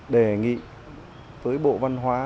đề nghị với bộ văn hóa